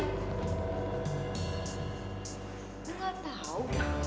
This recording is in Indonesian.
gue gak tau